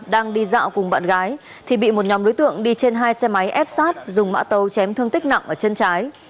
đang đi dạo cùng bạn gái thì bị một nhóm đối tượng đi trên hai xe máy ép sát dùng mã tấu chém thương tích nặng ở chân trái